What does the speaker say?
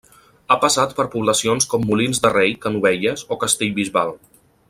Ha passat per poblacions com Molins de Rei, Canovelles o Castellbisbal.